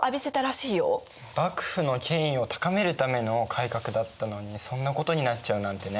幕府の権威を高めるための改革だったのにそんなことになっちゃうなんてね。